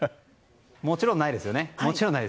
もちろんないですよね。